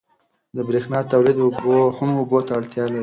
د برېښنا تولید هم اوبو ته اړتیا لري.